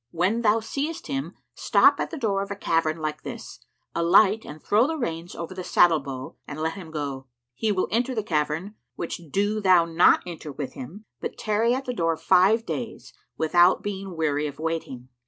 When thou seest him stop at the door of a cavern like this, alight and throw the reins over the saddle bow and let him go. He will enter the cavern, which do thou not enter with him, but tarry at the door five days, without being weary of waiting.